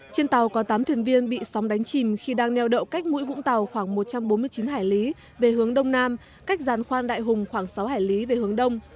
trên tàu có tám thuyền viên bị sóng đánh chìm khi đang neo đậu cách mũi vũng tàu khoảng một trăm bốn mươi chín hải lý về hướng đông nam cách giàn khoan đại hùng khoảng sáu hải lý về hướng đông